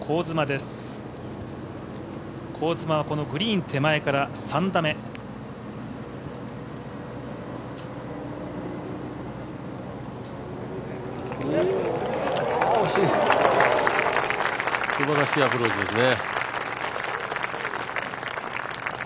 すばらしいアプローチですね。